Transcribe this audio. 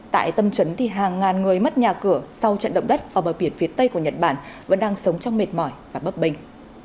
tại tâm trấn thì hàng ngàn người mất nhà cửa sau trận động đất ở bờ biển phía tây của nhật bản vẫn đang sống trong mệt mỏi và bấp bình